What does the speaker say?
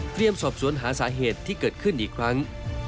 สอบสวนหาสาเหตุที่เกิดขึ้นอีกครั้ง